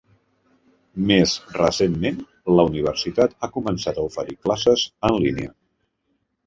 Més recentment, la universitat ha començat a oferir classes en línia.